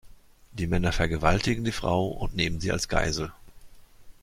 Die Männer vergewaltigen die Frau und nehmen sie als Geisel.